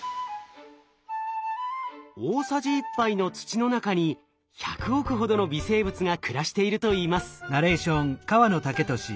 大さじ１杯の土の中に１００億ほどの微生物が暮らしているといいます。